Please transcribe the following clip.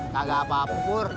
gak apa apa pur